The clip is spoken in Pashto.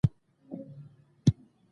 مطلق خاموشي وه .